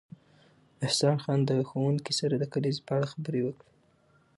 احسان خان د ښوونکي سره د کلیزې په اړه خبرې وکړې